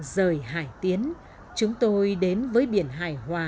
rời hải tiến chúng tôi đến với biển hải hòa